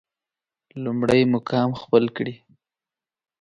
لومړی مقام خپل کړي.